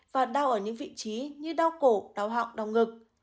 và đau ở những vị trí như đau cổ đau họng đau ngực